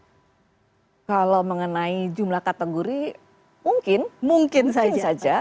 oke kalau mengenai jumlah kategori mungkin saja